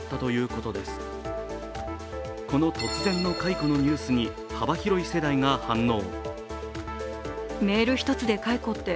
この突然の解雇のニュースに幅広い世代が反応。